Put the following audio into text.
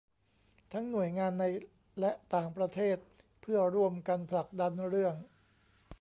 ทั้งหน่วยงานในและต่างประเทศเพื่อร่วมกันผลักดันเรื่อง